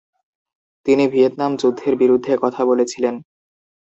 তিনি ভিয়েতনাম যুদ্ধের বিরুদ্ধে কথা বলেছিলেন।